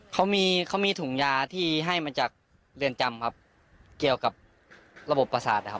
เขามีเขามีถุงยาที่ให้มาจากเรือนจำครับเกี่ยวกับระบบประสาทนะครับ